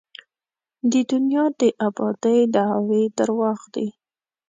د دنیا د ابادۍ دعوې درواغ دي.